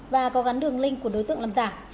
và có gắn đường link của đối tượng làm giả